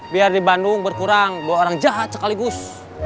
biar di bandung berkurang dua orang jahat sekaligus